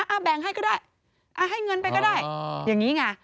แบ่งให้ก็ได้ให้เงินไปก็ได้อย่างนี้ไง